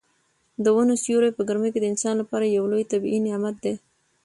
د ونو سیوری په ګرمۍ کې د انسان لپاره یو لوی طبیعي نعمت دی.